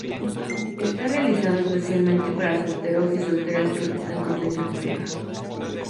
Está realizado especialmente para solteros y solteras que buscan conseguir pareja.